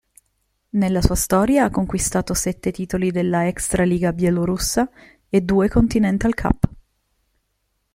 Nella sua storia ha conquistato sette titoli della Extraliga bielorussa e due Continental Cup.